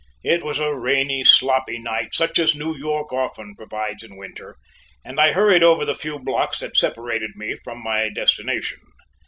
It was a rainy, sloppy night, such as New York often provides in winter, and I hurried over the few blocks that separated me from my destination.